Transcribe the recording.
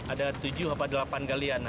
ada tujuh delapan galian